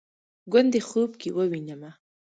ګوندې خوب کې ووینمه